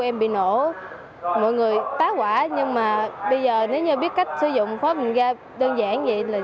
mọi người tá quả nhưng mà bây giờ nếu như biết cách sử dụng khóa bình ga đơn giản vậy